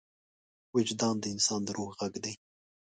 وجدان د انسان د روح غږ دی.